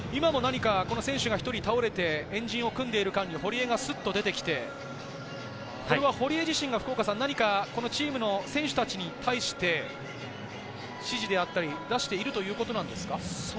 今も何か選手が倒れて円陣を組んでいる間に堀江がスッと出てきてこれは堀江自身がチームの選手たちに対して、指示を出しているということなんですか？